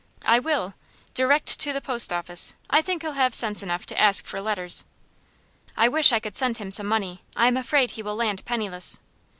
"I will." "Direct to the post office. I think he'll have sense enough to ask for letters." "I wish I could send him some money. I am afraid he will land penniless."